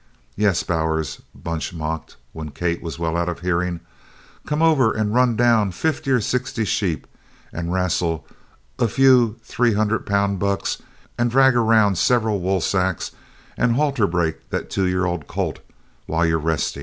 "Yes, Bowers," Bunch mocked when Kate was well out of hearing, "come over and run down fifty or sixty sheep and wrastle a few three hundred poun' bucks and drag around several wool sacks and halter break that two year ol' colt while you're restin'."